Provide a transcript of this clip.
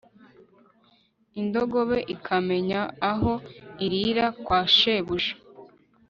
indogobe ikamenya aho irira kwa shebuja.